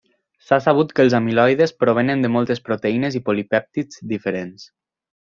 S'ha sabut que els amiloides provenen de moltes proteïnes i polipèptids diferents.